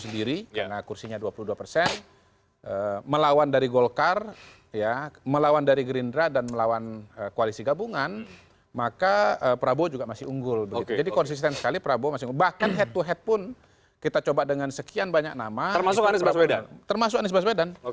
termasuk anies baswedan